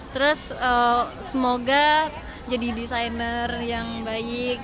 terus semoga jadi desainer yang baik